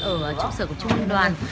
ở trụ sở của trung ương đoàn